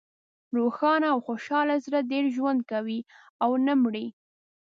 روښانه او خوشحاله زړه ډېر ژوند کوي او نه مری.